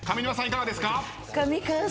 いかがですか？